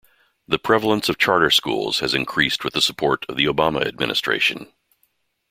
The prevalence of charter schools has increased with the support of the Obama Administration.